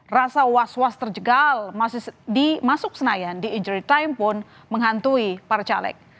rasa was was terjegal di masuk senayan di injury time pun menghantui para caleg